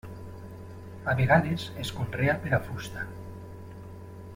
A vegades es conrea per a fusta.